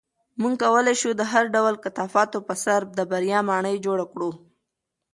موږ کولی شو د هر ډول کثافاتو په سر د بریا ماڼۍ جوړه کړو.